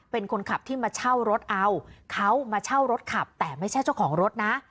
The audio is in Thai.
เป็นคนขับที่มาเช่ารถเอาเขามาเช่ารถขับแต่ไม่ใช่เจ้าของรถนะ